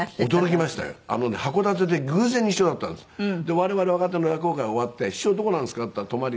我々若手の落語会終わって「師匠どこなんですか？」って言ったら泊まり。